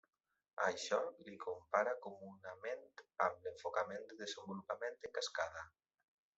A això l'hi compara comunament amb l'enfocament de desenvolupament en cascada.